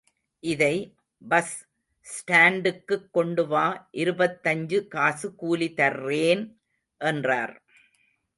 இதை பஸ் ஸ்டாண்டுக்குக் கொண்டு வா இருபத்தஞ்சு காசு கூலி தர்றேன்! என்றார்.